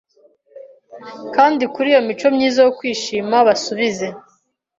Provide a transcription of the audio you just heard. Kandi kuri iyo mico myiza yo kwishima basubize